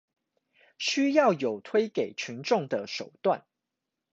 需要有推給群眾的手段